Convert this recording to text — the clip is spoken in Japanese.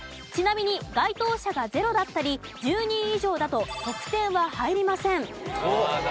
ちなみに該当者が０だったり１０人以上だと得点は入りません。